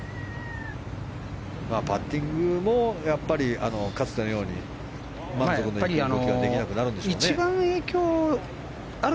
パッティングも、やっぱりかつてのように満足のいく動きができなくなるんでしょうね。